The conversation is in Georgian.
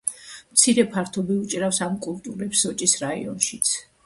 მცირე ფართობი უჭირავს ამ კულტურებს სოჭის რაიონშიც.